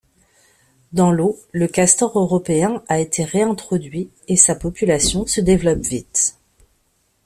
Dans l'eau, le castor européen a été réintroduit et sa population se développe vite.